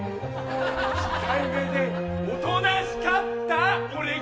「控えめでおとなしかった俺が」